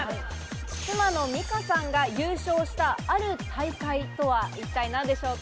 妻の美夏さんが優勝したある大会とは一体何でしょうか？